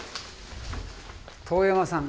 當山さん？